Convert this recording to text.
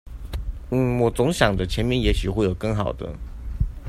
我總想著前面也許會有更好的